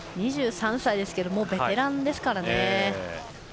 ２３歳ですけどもうベテランですからね。